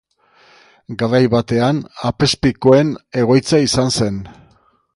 Garai batean, apezpikuen egoitza izan zen.